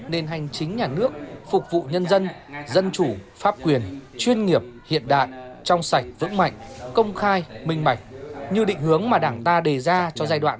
nền hành chính nhà nước phục vụ nhân dân dân chủ pháp quyền chuyên nghiệp hiện đại trong sạch vững mạnh công khai minh bạch như định hướng mà đảng ta đề ra cho giai đoạn hai nghìn hai mươi hai nghìn hai mươi